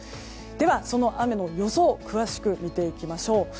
では、その雨の予想詳しく見ていきましょう。